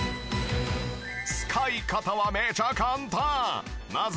使い方はめちゃ簡単！